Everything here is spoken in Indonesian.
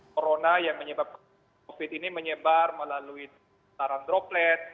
corona yang menyebabkan covid ini menyebar melalui saran droplet